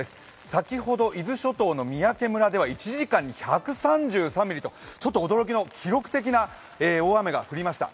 先ほど、伊豆諸島の三宅村では１時間に１３３ミリとちょっと驚きの記録的な大雨が降りました。